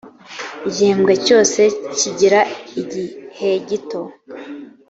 igihembwe cyose kigira igihegito.